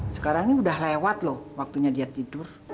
sekarang ini udah lewat loh waktunya dia tidur